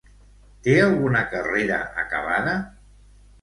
Té alguna carrera acabada?